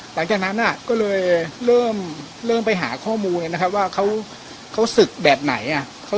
หลังจากนั้นก็เลยเลิมแหละไปหาข้อมูลว่าเขาศึกแบบไหนอ่ะ